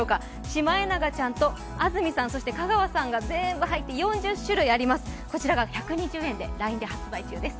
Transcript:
シマエナガちゃんと安住さん、香川さんが全部入って４０種類あります、こちらが１２０円でＬＩＮＥで販売中です。